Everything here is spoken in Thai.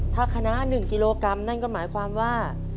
ถ้าคณะ๑กิโลกรัมนั่นก็หมายความว่า